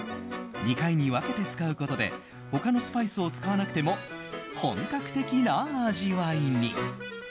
２回に分けて使うことで他のスパイスを使わなくても本格的な味わいに。